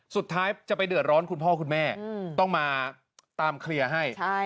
สุดท้ายจะไปเดือดร้อนคุณพ่อคุณแม่ต้องมาตามเคลียร์ให้